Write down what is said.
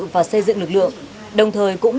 và xây dựng lực lượng đồng thời cũng